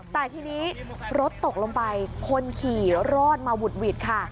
แต่ทีนี้รถตกลงไปคนขี่รอดมาหวุดหวิดค่ะ